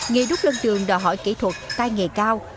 nghề đúc lân đường đòi hỏi kỹ thuật tai nghề cao